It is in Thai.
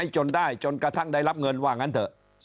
จนได้จนกระทั่งได้รับเงินว่างั้นเถอะ